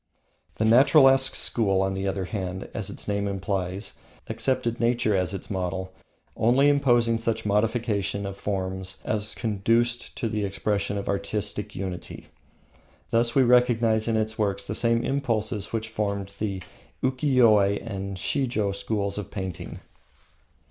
The Naturalesque school, on the other hand, accepted nature as its model, only imposing such modifications of form as conduced to the expression of artistic unity. Thus we recognise in its works the same impulses which formed the Ukiyoe and Shijo schools of painting.